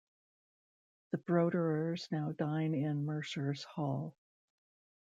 The Broderers now dine in Mercers' Hall.